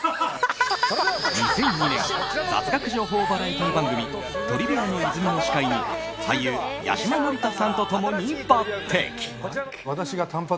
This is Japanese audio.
２００２年雑学情報バラエティー番組「トリビアの泉」の司会に俳優・八嶋智人さんと共に抜擢。